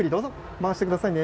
回して下さいね。